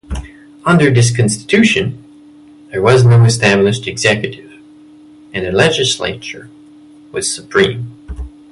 Under this constitution, there was no established executive, and the legislature was supreme.